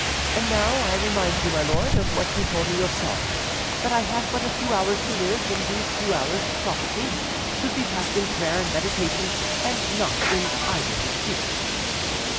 And now, I will remind you, my lord, of what you told me yourself, that I have but a few hours to live; and these few hours, to profit me, should be passed in prayer and meditation, and not in idle disputes."